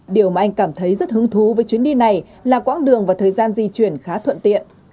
điều mà anh cảm thấy rất hứng thú với chuyến đi này là quãng đường và thời gian di chuyển khá thuận tiện